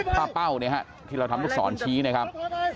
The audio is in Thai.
ป้าเป้าเนี่ยฮะที่เราทำลูกศรชี้นะครับ